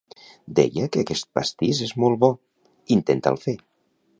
Deia que aquest pastís és molt bo, intenta'l fer!